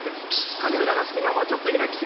羽裏の隙間もちょっと開きすぎ。